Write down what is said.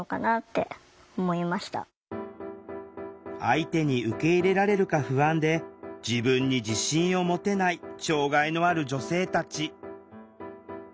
相手に受け入れられるか不安で自分に自信を持てない障害のある女性たち。